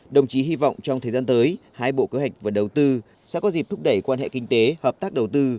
đồng chí hy vọng trong thời gian tới hai bộ kế hoạch và đầu tư sẽ có dịp thúc đẩy quan hệ kinh tế hợp tác đầu tư